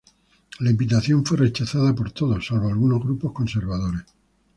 La invitación fue rechazada por todos, salvo algunos grupos conservadores.